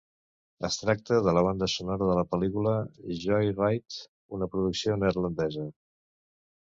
Es tracta de la banda sonora de la pel·lícula "Joyride", una producció neerlandesa.